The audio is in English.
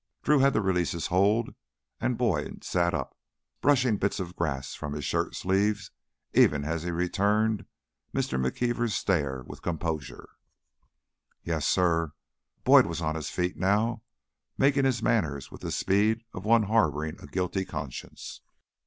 Drew had to release his hold and Boyd sat up, brushing bits of grass from his shirt sleeves even as he returned Mr. McKeever's stare with composure. "Yes, suh?" Boyd was on his feet now, making his manners with the speed of one harboring a guilty conscience.